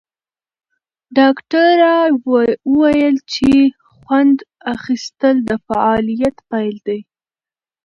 ډاکټره وویل چې خوند اخیستل د فعالیت پیل دی.